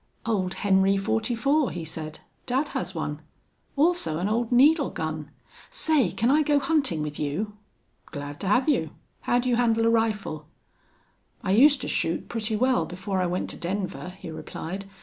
"Old Henry forty four," he said. "Dad has one. Also an old needle gun. Say, can I go hunting with you?" "Glad to have you. How do you handle a rifle?" "I used to shoot pretty well before I went to Denver," he replied.